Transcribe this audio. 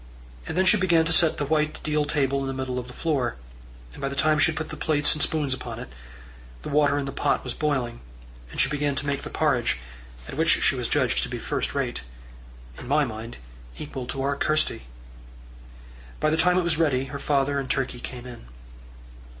Then she began to set the white deal table in the middle of the floor, and by the time she had put the plates and spoons upon it, the water in the pot was boiling, and she began to make the porridge, at which she was judged to be first rate in my mind, equal to our Kirsty. By the time it was ready, her father and Turkey came in.